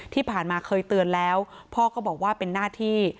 ที่ผ่านมาเคยเตือนแล้วพ่อก็บอกว่าเป็นหน้าที่